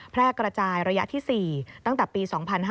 แพร่กระจายระยะที่๔ตั้งแต่ปี๒๕๕๙